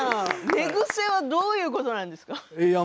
寝癖はどういうことなんですか？